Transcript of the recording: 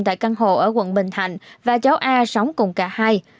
tại căn hộ ở quận bình thạnh và cháu a sống cùng cả hai